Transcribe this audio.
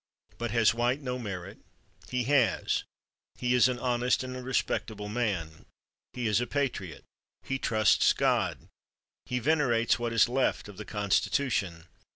But has White no merit? He has. He is an honest and a respectable man. He is a patriot. He trusts God. He venerates what is left of the Constitution.